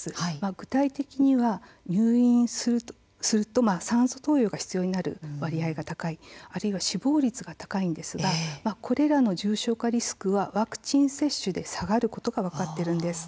具体的には入院すると酸素投与が必要になる割合が高いあるいは死亡率が高いんですがこれらの重症化リスクはワクチン接種で下がることが分かっています。